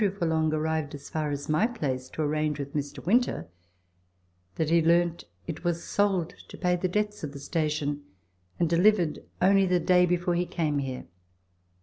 Forlonge arrived as far as my place to arrange with Mr. Winter, that he learnt it was sold to pay the debts of the station, and delivered only the day before he came here.